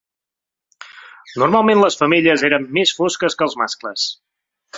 Normalment les femelles eren més fosques que els mascles.